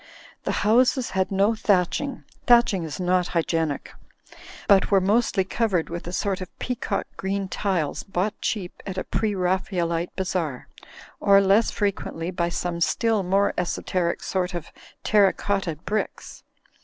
The houses had 410 thatching (thatching is not hygienic) but were mostly covered with a sort of peacock green tiles bought cheap at a Preraphaelite Bazaar ; or, less frequently, by some still more esoteric sort of terra cotta bricks.